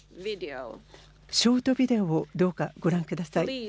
ショートビデオをどうかご覧ください。